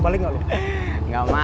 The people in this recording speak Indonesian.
menghentikan itu aja